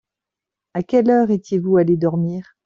À quelle heure étiez-vous allés dormir ?